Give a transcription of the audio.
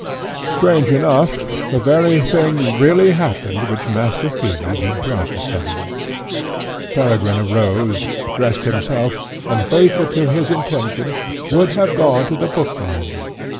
Strange enough, the very thing really happened which Master Flea had prophesied. Peregrine arose, dressed himself, and, faithful to his intention, would have gone to the bookbinder.